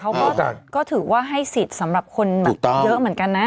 เขาก็ถือว่าให้สิทธิ์สำหรับคนแบบเยอะเหมือนกันนะ